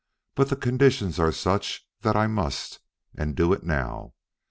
But the conditions are such that I must, and do it now.